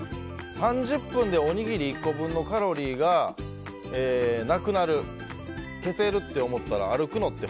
３０分でおにぎり１個分のカロリーがなくなる、消せると思ったら歩くのって